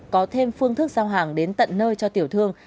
có thêm phương thức giao hàng đến tận nơi cho tiểu thương